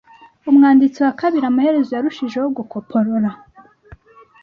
Umwanditsi wa kabiri amaherezo yarushijeho gukoporora